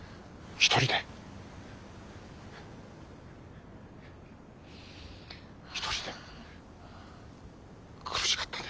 １人で苦しかったね。